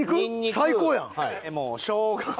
最高やん！